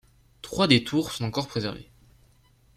Trois des tours sont encore préservées.